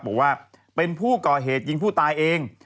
บอกว่าเป็นผู้ก่อเหตุยิงผู้ตายเอง